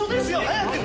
早く！